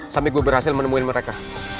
sambil gue berhasil menemuin mereka